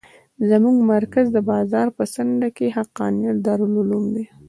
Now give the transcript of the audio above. زموږ مرکز د بازار په څنډه کښې حقانيه دارالعلوم دى.